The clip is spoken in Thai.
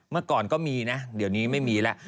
เมื่อก่อนก็มีนะเดี๋ยวนี้ไม่มีแล้ว